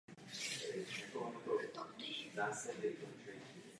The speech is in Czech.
Problém je, že v řadě členských států stále přetrvává protekcionismus.